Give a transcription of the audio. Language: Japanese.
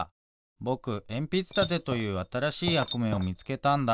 ぼくえんぴつたてというあたらしいやくめをみつけたんだ。